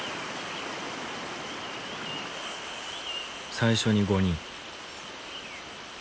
最初に５人。